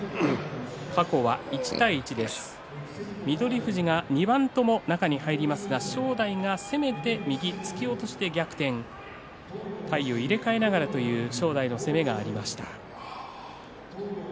富士が２番とも中に入りましたが正代が攻めて右突き落としで逆転体を入れ替えながらという正代の攻めがありました。